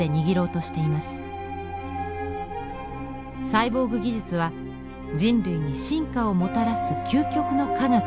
サイボーグ技術は人類に進化をもたらす究極の科学か。